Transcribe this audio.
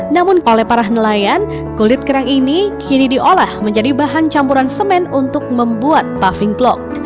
namun oleh para nelayan kulit kerang ini kini diolah menjadi bahan campuran semen untuk membuat paving blok